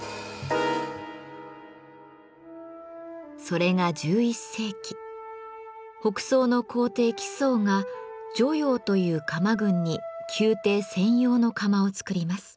それが１１世紀北宋の皇帝・徽宗が「汝窯」という窯郡に宮廷専用の窯を作ります。